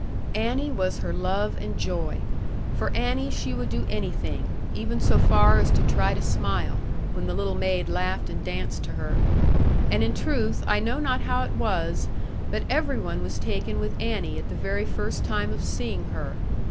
Annie was her love and joy. For Annie she would do anything, even so far as to try to smile, when the little maid laughed and danced to her. And in truth I know not how it was, but every one was taken with Annie at the very first time of seeing her.